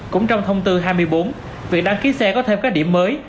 cũng trong thông tư hai mươi bốn việc đăng ký xe có thêm các điểm mới